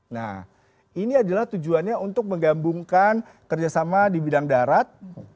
nah ini adalah tujuannya untuk menggambungkan kerjasama di bidang darat